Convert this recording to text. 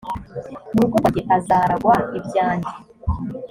mu rugo rwanjye azaragwa ibyanjye